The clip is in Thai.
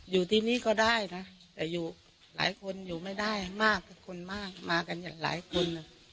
อยู่ที่นี่ก็ได้นะแต่อยู่หลายคนอยู่ไม่ได้มากกับคนมากมากันหลายคน